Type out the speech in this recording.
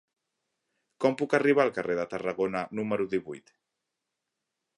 Com puc arribar al carrer de Tarragona número divuit?